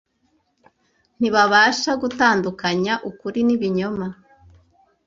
Ntibabasha gutandukanya ukuri n’ibinyoma